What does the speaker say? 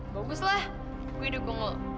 baguslah gue hidup gunggul